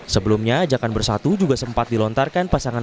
sebelumnya jakan bersatu juga sempat menerima nasionalitas